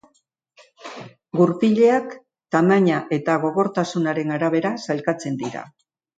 Gurpilak tamaina eta gogortasunaren arabera sailkatzen dira.